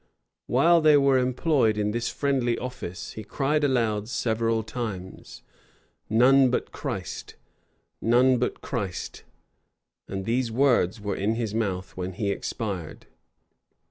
While they were employed in this friendly office, he cried aloud several times, "None but Christ, none but Christ!" and these words were in his mouth when he expired.